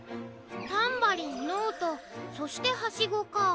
タンバリンノートそしてハシゴか。